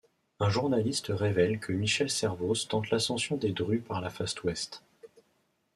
Un journaliste révèle que Michel Servoz tente l'ascension des Drus par la face ouest...